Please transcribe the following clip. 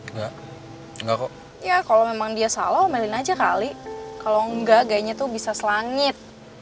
ya kalau memang dia salah omelin aja kali kalau enggak kayaknya tuh bisa selangit